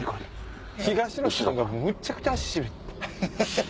東野さんがむっちゃくちゃ足痺れて。